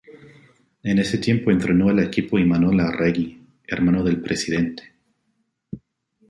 En ese tiempo entrenó al equipo Imanol Arregui, hermano del presidente.